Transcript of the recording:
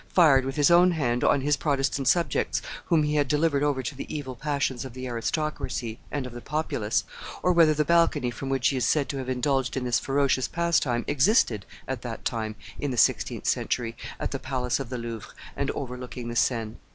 fired with his own hand on his Protestant subjects whom he had delivered over to the evil passions of the aristocracy and of the populace, or whether the balcony from which he is said to have indulged in this ferocious pastime existed at that time, in the sixteenth century, at the palace of the Louvre, and overlooking the Seine.